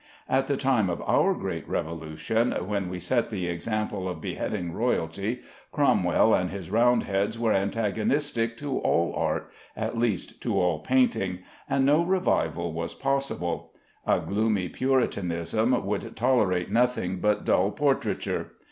At the time of our great Revolution, when we set the example of beheading royalty, Cromwell and his Roundheads were antagonistic to all art (at least to all painting), and no revival was possible. A gloomy Puritanism would tolerate nothing but dull portraiture.